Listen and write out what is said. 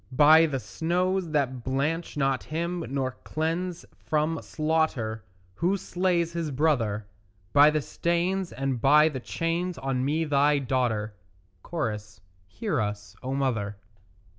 By the snows that blanch not him nor cleanse from slaughter Who slays his brother; By the stains and by the chains on me thy daughter; (Cho.) Hear us, O mother.